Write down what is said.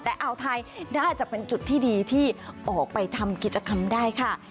แต่อ่าวไทยน่าจะเป็นจุดที่ดีที่ออกไปทำกิจกรรมได้ค่ะ